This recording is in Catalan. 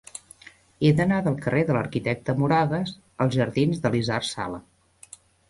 He d'anar del carrer de l'Arquitecte Moragas als jardins d'Elisard Sala.